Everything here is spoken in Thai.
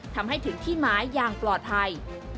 ทำให้ถึงที่หมายอย่างปลอดภัย